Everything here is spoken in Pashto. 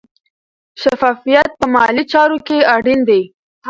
شفافیت په مالي چارو کې اړین دی.